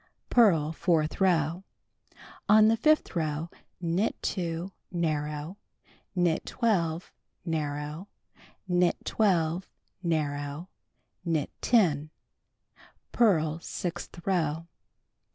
Purl fourth row. On the fifth row knit 2, narrow, knit 12, narrow, knit 12, narrow, knit 10. Purl sixth row.